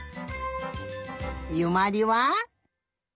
ゆまりは？